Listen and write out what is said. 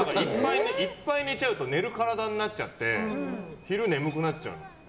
いっぱい寝ちゃうと寝る体になっちゃって昼眠くなっちゃうの。